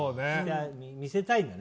見せたい！